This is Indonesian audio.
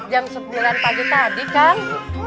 jam sembilan pagi tadi kang